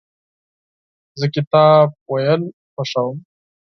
زه کتاب لوستل خوښوم.